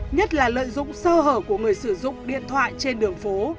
nhất là lợi dụng sơ hở của người sử dụng điện thoại trên đường phố